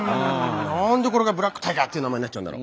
なんでこれが「ブラックタイガー」って名前になっちゃうんだろう？